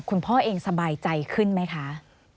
คุณพ่อเองสบายใจขึ้นไหมคะ